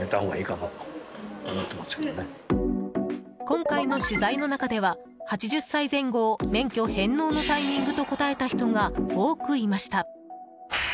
今回の取材の中では８０歳前後を免許返納のタイミングと答えた人が多くいました。